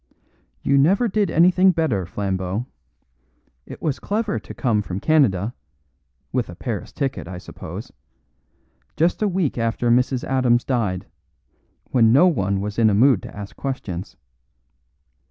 "You never did anything better, Flambeau. It was clever to come from Canada (with a Paris ticket, I suppose) just a week after Mrs. Adams died, when no one was in a mood to ask questions.